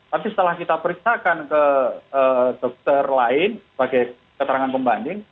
tapi setelah kita periksakan ke dokter lain sebagai keterangan pembanding